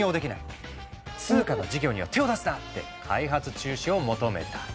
通貨の事業には手を出すな！」って開発中止を求めた。